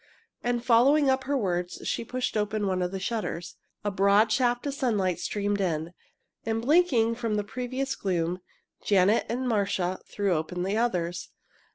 And following up her words, she pushed open one of the shutters. A broad shaft of sunlight streamed in, and, blinking from the previous gloom, Janet and Marcia threw open the others.